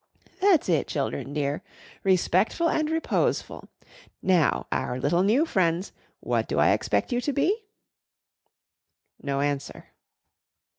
"That's it, children dear. Respectful and reposeful. Now, our little new friends, what do I expect you to be?" No answer.